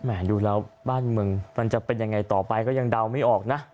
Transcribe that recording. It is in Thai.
ดูแล้วบ้านเมืองมันจะเป็นยังไงต่อไปก็ยังเดาไม่ออกนะ